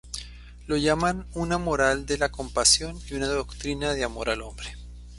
Lo llaman una moral de la compasión y una doctrina de amor al hombre.